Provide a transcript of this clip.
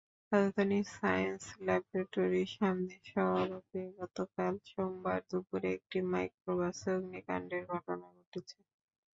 রাজধানীর সায়েন্স ল্যাবরেটরির সামনের সড়কে গতকাল সোমবার দুপুরে একটি মাইক্রোবাসে আগ্নিকাণ্ডের ঘটনা ঘটেছে।